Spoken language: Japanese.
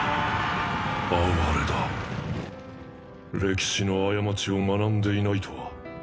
哀れだ歴史の過ちを学んでいないとは。